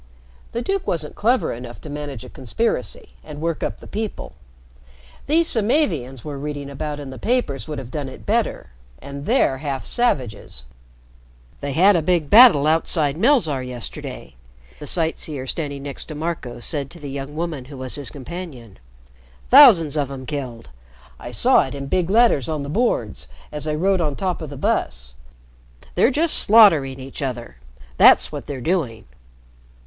The duke wasn't clever enough to manage a conspiracy and work up the people. These Samavians we're reading about in the papers would have done it better. And they're half savages." "They had a big battle outside Melzarr yesterday," the sight seer standing next to Marco said to the young woman who was his companion. "Thousands of 'em killed. I saw it in big letters on the boards as I rode on the top of the bus. They're just slaughtering each other, that's what they're doing."